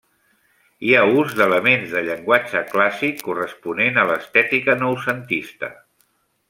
Hi ha ús d'elements de llenguatge clàssic corresponent a l'estètica noucentista.